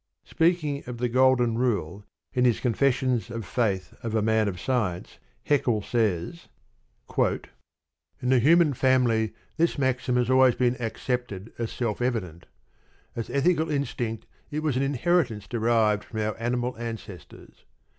Speaking of "The Golden Rule" in his Confessions of Faith of a Man of Science, Haeckel says: In the human family this maxim has always been accepted as self evident; as ethical instinct it was an inheritance derived from our animal ancestors.